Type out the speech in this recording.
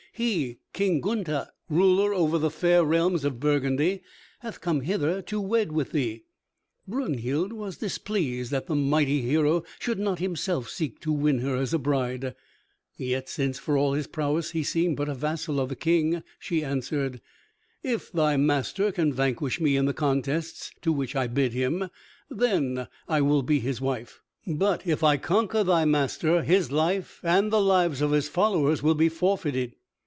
He, King Gunther, ruler over the fair realms of Burgundy, hath come hither to wed with thee." Brunhild was displeased that the mighty hero should not himself seek to win her as a bride, yet since for all his prowess he seemed but a vassal of the King, she answered, "If thy master can vanquish me in the contests to which I bid him, then I will be his wife, but if I conquer thy master, his life, and the lives of his followers will be forfeited."